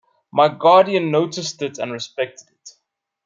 My guardian noticed it and respected it.